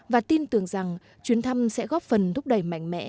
và tin tưởng rằng chuyến thăm sẽ góp phần thúc đẩy mạnh mẽ